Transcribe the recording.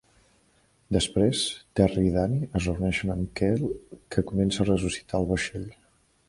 Després, Terri i Danny es reuneixen amb Cale, que comença a ressuscitar al vaixell.